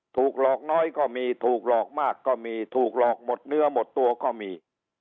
ถูกหลอกน้อยก็มีถูกหลอกมากก็มีถูกหลอกหมดเนื้อหมดตัวก็มี